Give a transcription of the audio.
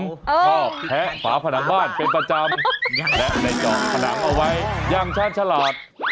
ชอบแทะฝาผนังบ้านเป็นประจำและได้เจาะผนังเอาไว้อย่างชาญฉลาด